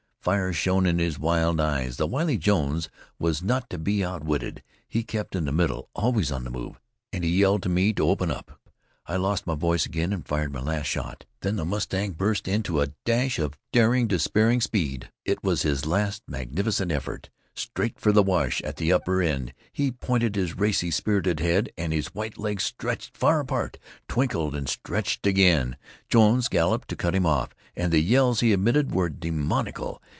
Fire shone in his wild eyes. The wily Jones was not to be outwitted; he kept in the middle, always on the move, and he yelled to me to open up. I lost my voice again, and fired my last shot. Then the White Mustang burst into a dash of daring, despairing speed. It was his last magnificent effort. Straight for the wash at the upper end he pointed his racy, spirited head, and his white legs stretched far apart, twinkled and stretched again. Jones galloped to cut him off, and the yells he emitted were demoniacal.